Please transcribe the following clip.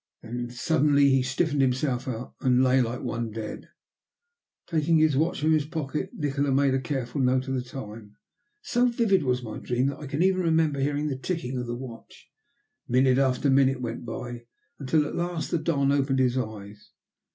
Then suddenly he stiffened himself out and lay like one dead. Taking his watch from his pocket Nikola made a careful note of the time. So vivid was my dream that I can even remember hearing the ticking of the watch. Minute after minute went by, until at last the Don opened his eyes.